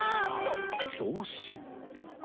送信。